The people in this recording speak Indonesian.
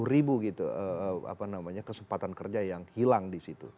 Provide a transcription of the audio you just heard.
sepuluh ribu gitu kesempatan kerja yang hilang di situ